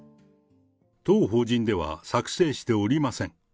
当法人では作成しておりません。